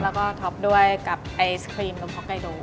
แล้วก็ท็อปด้วยกับไอศครีมลมฮ็อกไกโด